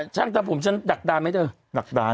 ช่างทำผมฉันดักดารไหมเธอ